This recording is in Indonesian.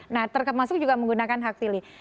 nah termasuk juga menggunakan hak pilih